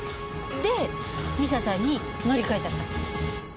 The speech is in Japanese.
で美佐さんに乗り換えちゃった？